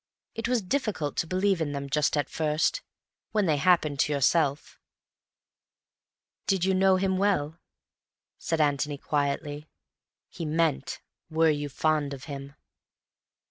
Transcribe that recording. It was difficult to believe in them just at first, when they happened to yourself. "Did you know him well?" said Antony quietly. He meant, "Were you fond of him?"